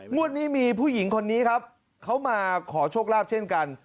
งวดนี้มีผู้หญิงคนนี้ครับเขามาขอโชคลาภเช่นกัน